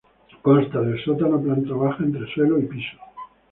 Consta del sótano, planta baja, entresuelo y piso.